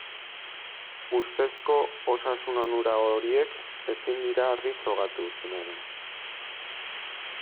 Ustezko osasun-onura horiek ezin dira argi frogatu, dena den.